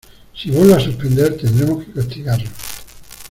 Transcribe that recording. Si vuelve a suspender, tendremos que castigarlo.